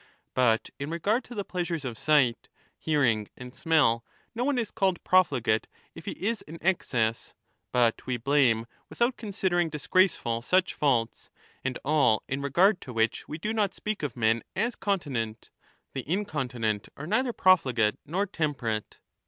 But in regard to the pleasures of sight, hearing, and smell, no one is called profligate if he is in excess, but we blame without considering disgraceful such faults, and all in regard to which we do not speak of men as continent ; the incontinent are neither profligate nor temperate.